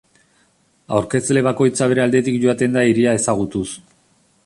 Aurkezle bakoitza bere aldetik joaten da hiria ezagutuz.